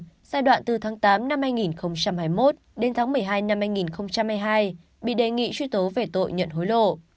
trong giai đoạn từ tháng tám năm hai nghìn hai mươi một đến tháng một mươi hai năm hai nghìn hai mươi hai bị đề nghị truy tố về tội nhận hối lộ